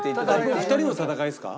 もう２人の戦いですか？